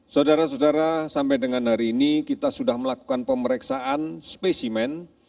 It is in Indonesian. saudara saudara sampai dengan hari ini kita sudah melakukan pemeriksaan spesimen